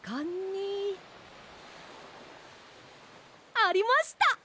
ありました！